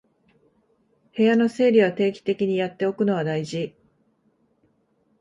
部屋の整理を定期的にやっておくのは大事